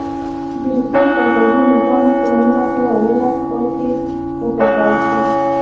د روسیې تزاري نظام په نولس سوه اوولس کال کې و پرځول شو.